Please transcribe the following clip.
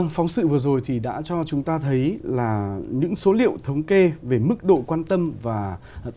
phóng sự vừa rồi đã cho chúng ta thấy những số liệu thống kê về mức độ quan tâm và thiếu hiệu